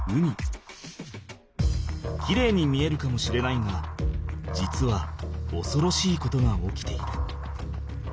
きれいに見えるかもしれないが実はおそろしいことが起きている。